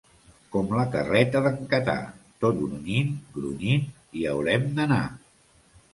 Com la carreta d'en Catà: tot grunyint, grunyint, hi haurem d'anar.